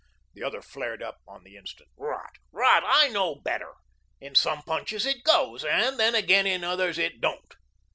The other flared up on the instant. "Rot, rot. I know better. In some punches it goes; and then, again, in others it don't."